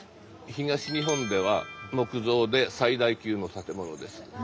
東日本では木造で最大級の建物です。